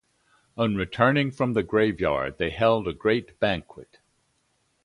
On returning from the graveyard they held a great banquet.